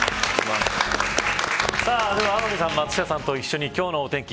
では天海さん、松下さんと一緒に今日のお天気